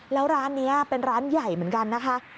แล้วร้านนี้เป็นร้านใหญ่เหมือนกันนะคะ